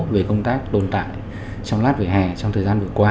về công tác tồn tại trong lát về hè trong thời gian vừa qua